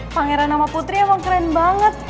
pangeran nama putri emang keren banget